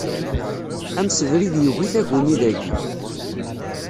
Amsebrid yugi taguni dagi.